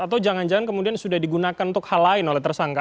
atau jangan jangan kemudian sudah digunakan untuk hal lain oleh tersangka